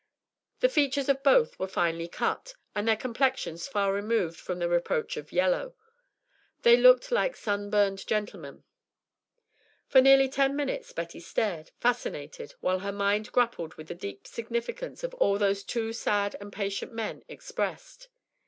The features of both were finely cut, and their complexions far removed from the reproach of "yellow." They looked like sun burned gentlemen. For nearly ten minutes Betty stared, fascinated, while her mind grappled with the deep significance of all those two sad and patient men expressed.